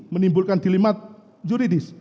menimbulkan dilimat juridis